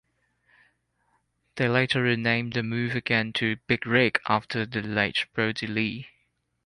They later renamed the move again to "Big Rig" after the late Brodie Lee.